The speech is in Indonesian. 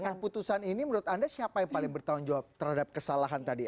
dengan putusan ini menurut anda siapa yang paling bertanggung jawab terhadap kesalahan tadi